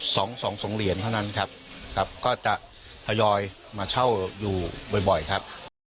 สองสองเหรียญเท่านั้นครับครับก็จะทยอยมาเช่าอยู่บ่อยบ่อยครับ